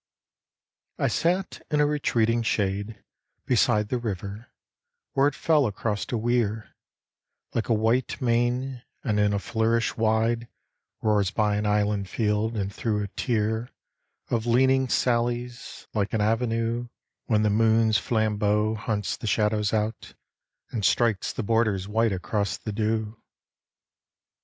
I sat in a retreating shade beside The river, where it fell across a weir Like a white mane, and in a flourish wide Roars by an island field and thro' a tier Of leaning sallies, like an avenue When the moon's flambeau hunts the shadows out And strikes the borders white across the dew.